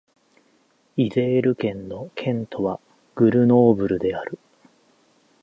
イゼール県の県都はグルノーブルである